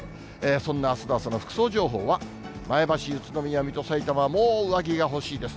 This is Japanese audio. そんなあすの朝の服装情報は、前橋、宇都宮、水戸、さいたま、もう上着が欲しいです。